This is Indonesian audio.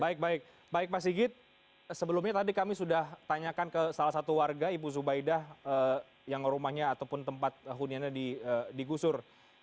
baik baik pak sigit sebelumnya tadi kami sudah tanyakan ke salah satu warga ibu zubaidah yang rumahnya ataupun tempat huniannya digusur